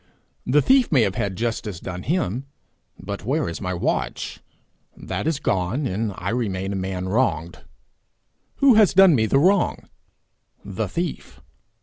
The thief may have had justice done him but where is my watch? That is gone, and I remain a man wronged. Who has done me the wrong? The thief.